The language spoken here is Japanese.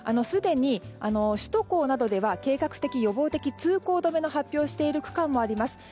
すでに首都高などでは計画的・予防的通行止めを発表している区間もあります。